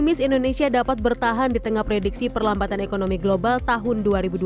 menteri perdagangan zulkifli hasan bertahan di tengah prediksi perlambatan ekonomi global tahun dua ribu dua puluh tiga